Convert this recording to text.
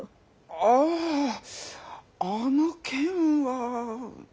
あぁあの件は。